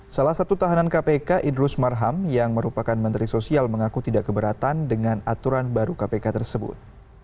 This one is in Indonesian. salah satu tahanan kpk idrus marham yang merupakan menteri sosial mengaku tidak keberatan dengan aturan baru kpk tersebut